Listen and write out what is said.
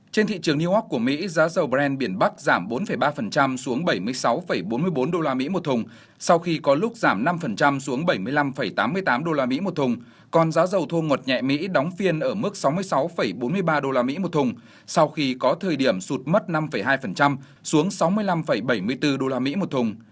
trên thị trường new york của mỹ giá dầu brand biển bắc giảm bốn ba xuống bảy mươi sáu bốn mươi bốn usd một thùng sau khi có lúc giảm năm xuống bảy mươi năm tám mươi tám usd một thùng còn giá dầu thô ngọt nhẹ mỹ đóng phiên ở mức sáu mươi sáu bốn mươi ba usd một thùng sau khi có thời điểm sụt mất năm hai xuống sáu mươi năm bảy mươi bốn usd một thùng